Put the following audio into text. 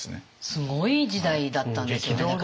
すごい時代だったんですよねだからね。